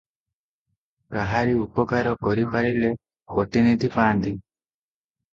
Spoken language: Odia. କାହାରି ଉପକାର କରିପାରିଲେ କୋଟିନିଧି ପାଆନ୍ତି ।